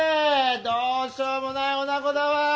どうしようもないおなごだわ。